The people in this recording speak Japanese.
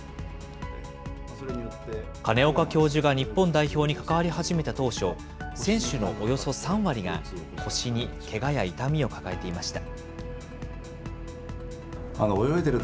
金岡教授が日本代表にかかわり始めた当初、選手のおよそ３割が、腰にけがや痛みを抱えていました。